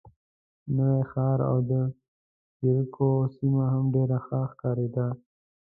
نوی ښار او د جریکو سیمه هم ډېره ښه ښکارېده.